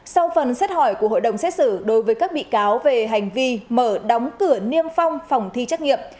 sau phần xét hỏi của hội đồng xét xử đối với các bị cáo về hành vi mở đóng cửa niêm phong phòng thi trắc nghiệm